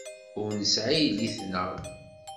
Ur nesɛi yelli-tneɣ.